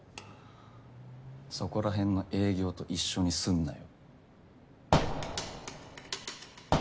そこらへんの営業と一緒にすんなよ。